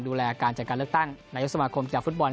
ดูแลการจัดการเลือกตั้งนายกสมาคมกีฬาฟุตบอล